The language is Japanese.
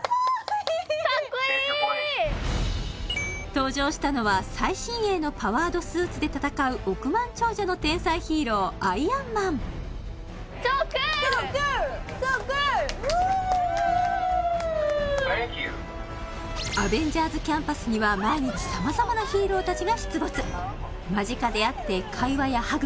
登場したのは最新鋭のパワードスーツで戦う億万長者の天才ヒーローアイアンマンアベンジャーズ・キャンパスには間近で会って会話やハグ